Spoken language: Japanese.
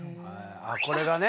これがね。